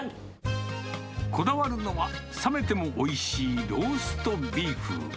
こだわるのは冷めてもおいしいローストビーフ。